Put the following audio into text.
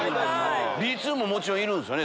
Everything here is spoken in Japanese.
Ｂ２ももちろんいるんすよね？